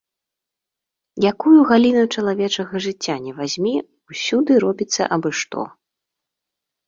Якую галіну чалавечага жыцця ні вазьмі, усюды робіцца абы-што.